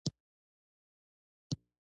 خدیجې دده پوهه او امانت داري ولیده.